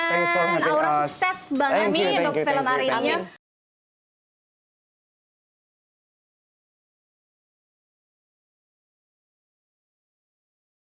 aura sukses bang ami untuk film arini